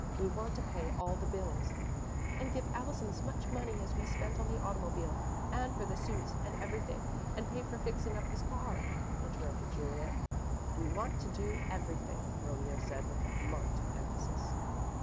We want to pay all the bills." "And give Allison as much money as we spent on the automobile and for the suits and everything, and pay for fixing up his car," interrupted Juliet. "We want to do everything," Romeo said, with marked emphasis.